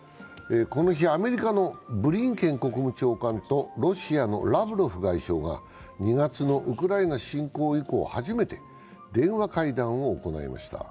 この日、アメリカのブリンケン国務長官とロシアのラブロフ外相が２月のウクライナ侵攻以降初めて電話会談を行いました。